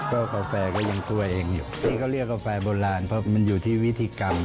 ครับกาแฟก็ยังตัวเองอยู่นี่เขาเรียกกาแฟโบราณเพราะตามวิธีกรรม